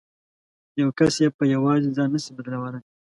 یو کس یې په یوازې ځان نه شي بدلولای.